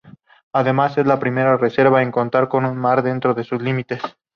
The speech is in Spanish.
Además, es la primera reserva en contar con un mar dentro de sus límites.